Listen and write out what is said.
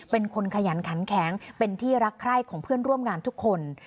เป็นคนขยันขันแข็งเป็นที่รักใคร่ของเพื่อนร่วมงานทุกคน